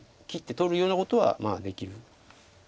切って取るようなことはできる。